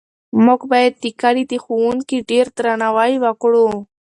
موږ باید د کلي د ښوونکي ډېر درناوی وکړو.